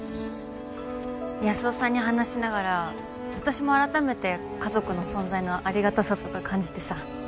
安生さんに話しながらあたしもあらためて家族の存在のありがたさとか感じてさ。